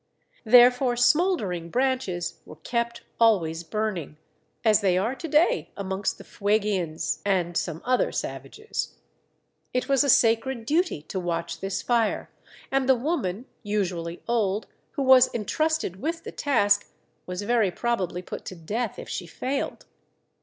Therefore smouldering branches were kept always burning, as they are to day amongst the Fuegians and some other savages. It was a sacred duty to watch this fire, and the woman (usually old) who was entrusted with the task was very probably put to death if she failed.